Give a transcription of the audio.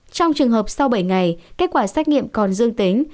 trong trường hợp sau bảy ngày kết quả xét nghiệm còn dương tính